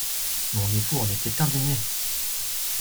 Mon époux en était indigné!